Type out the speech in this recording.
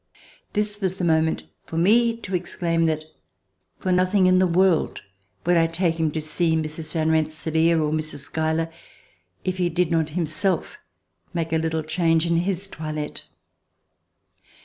This was the moment for me to exclaim that for nothing in the world would I take him to see Mrs. Van Rensse laer or Mrs. Schuyler, if he did not himself make a little change in his toilette.